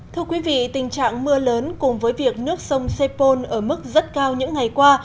thưa quý vị tình trạng mưa lớn cùng với việc nước sông sepol ở mức rất cao những ngày qua